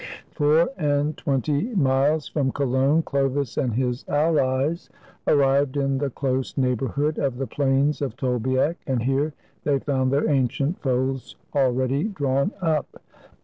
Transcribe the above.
Four and twenty miles from Cologne, Chlovis and his allies arrived in the close neighborhood of the plains of Tolbiac, and here they found their ancient foes already drawn up.